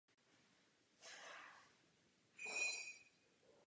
Ve farnosti se koná tříkrálová sbírka.